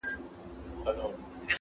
منصور میدان ته بیایي غرغړې دي چي راځي!